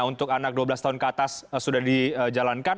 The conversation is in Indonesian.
untuk anak dua belas tahun ke atas sudah dijalankan